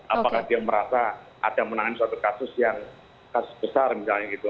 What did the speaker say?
apakah dia merasa ada menangani suatu kasus yang kasus besar misalnya gitu